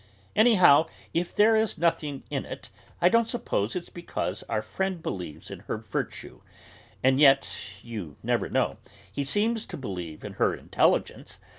"Anyhow, if there is nothing in it, I don't suppose it's because our friend believes in her virtue. And yet, you never know; he seems to believe in her intelligence.